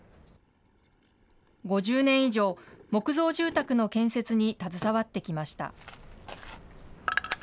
５０年以上、木造住宅の建設に携わってきました。